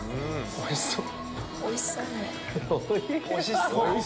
おいしそう！